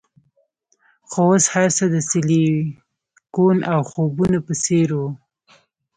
خو اوس هرڅه د سیلیکون او خوبونو په څیر وو